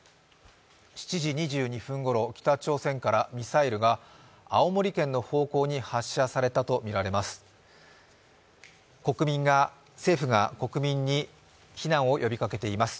７時２２分ごろ、北朝鮮からミサイルが青森県の方向に発射されたとみられます。